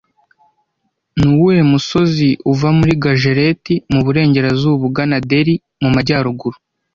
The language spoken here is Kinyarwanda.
Ni uwuhe musozi uva muri Gajereti mu burengerazuba ugana Delhi mu majyaruguru